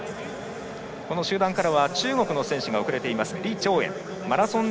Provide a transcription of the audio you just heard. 集団からは中国の選手が遅れています。